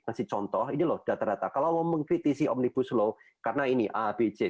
kasih contoh ini loh data data kalau mengkritisi omnibus law karena ini a b c